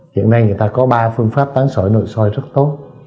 hiện nay người ta có ba phương pháp tán sởi nội soi rất tốt